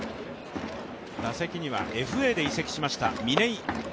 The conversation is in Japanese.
打席にはＦＡで移籍しました嶺井。